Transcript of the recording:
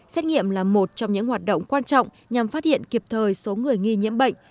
xét nghiệm là một trong những hoạt động quan trọng nhằm phát hiện kịp thời số người nghi nhiễm bệnh